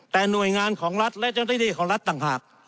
แต่หน่วยงานของรัฐและเจ้าหน้าที่ของรัฐต่างหาก